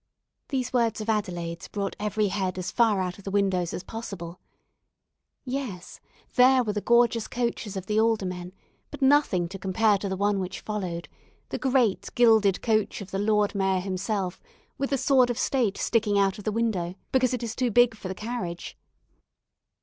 These words of Adelaide's brought every head as far out of the windows as possible. Yes, there were the gorgeous coaches of the Aldermen, but nothing to compare to the one which followed, the great, gilded coach of the Lord Mayor himself, with the sword of state sticking out of the window, because it is too big for the carriage.